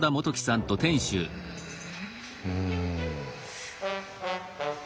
うん。